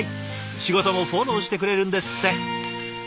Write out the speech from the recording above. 仕事もフォローしてくれるんですって。